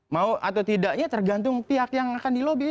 mau atau tidaknya tergantung pihak yang akan di lobby itu